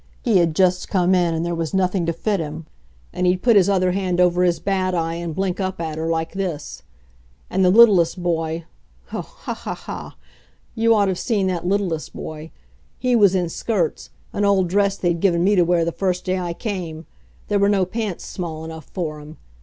He had just come in, and there was nothing to fit him. And he'd put his other hand over his bad eye and blink up at her like this. And the littlest boy oh, ha! ha! ha! you ought have seen that littlest boy. He was in skirts, an old dress they'd given me to wear the first day I came; there were no pants small enough for him.